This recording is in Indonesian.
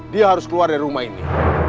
dia harus keluar dari rumah ini